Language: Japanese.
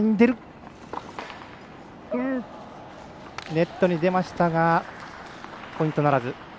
ネットに出ましたがポイントならず。